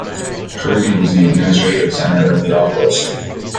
Kurgan is the administrative center of the oblast.